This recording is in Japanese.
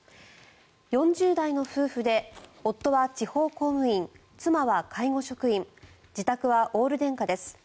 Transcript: ４０代の夫婦で夫は地方公務員妻は介護職員自宅はオール電化です。